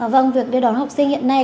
vâng việc đưa đón học sinh hiện nay